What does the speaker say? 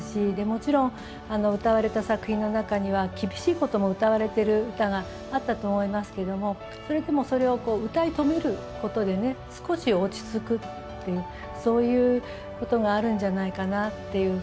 もちろん歌われた作品の中には厳しいことも歌われている歌があったと思いますけどもそれでもそれを歌いとめることで少し落ち着くっていうそういうことがあるんじゃないかなっていう。